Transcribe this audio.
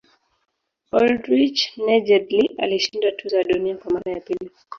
oldrich nejedly alishinda tuzo ya dunia kwa mara ya pili